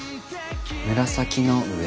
紫の上？